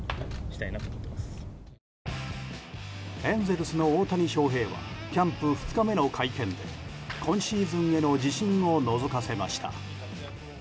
エンゼルスの大谷翔平はキャンプ２日目の会見で今シーズンへの自信をのぞかせました。